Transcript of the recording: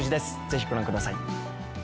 ぜひご覧ください。